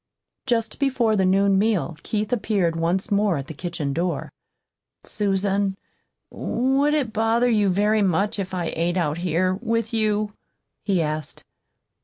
Just before the noon meal Keith appeared once more at the kitchen door. "Susan, would it bother you very much if I ate out here with you?" he asked.